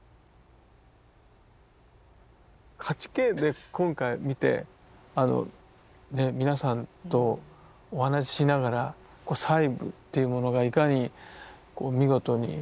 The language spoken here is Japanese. ８Ｋで今回見て皆さんとお話ししながら細部というものがいかに見事に作り上げられているかっていう。